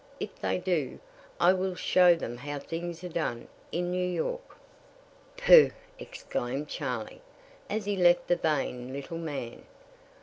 If they do, I will show them how things are done in New York." "Pooh!" exclaimed Charley, as he left the vain little man.